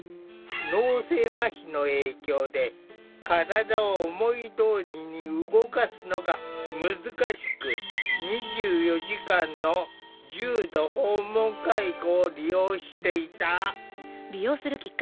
脳性まひの影響で体を思いどおりに動かすのが難しく２４時間の重度訪問介護を利用していた。